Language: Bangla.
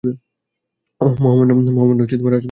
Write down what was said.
ওহ, মহামান্য রাজপুত্র।